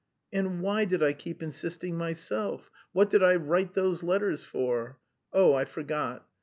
And why did I keep insisting myself, what did I write those letters for? Oh, I forgot.